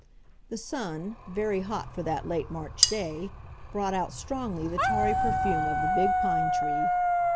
The sun, very hot for that late March day, brought out strongly the tarry perfume of the big pine tree.